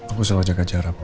aku selalu jaga jarak